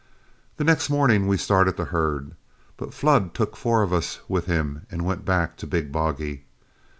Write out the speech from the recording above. The next morning we started the herd, but Flood took four of us with him and went back to Big Boggy.